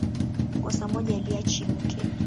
Kosa moja haliachi mke